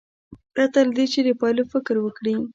پرته له دې چې د پایلو فکر وکړي.